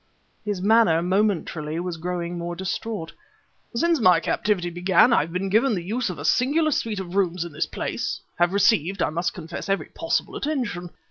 His manner momentarily was growing more distrait. "Since my captivity began I have been given the use of a singular suite of rooms in this place, and received, I must confess, every possible attention.